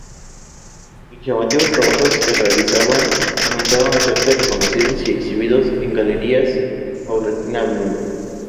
Los llamativos trabajos que realizaban, comenzaron a hacerse reconocidos y exhibidos en galerías paulatinamente.